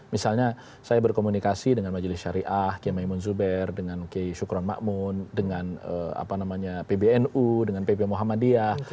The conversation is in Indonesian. misalnya saya berkomunikasi dengan majelis syariah dengan maimon zuber dengan shukran ma'mun dengan pbnu dengan pp muhammadiyah